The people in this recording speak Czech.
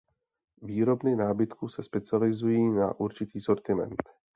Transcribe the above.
Výrobny nábytku se specializují na určitý sortiment.